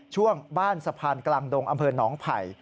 ช่วงบ้านสะพานกลางดงอำเภอ๒ไฝ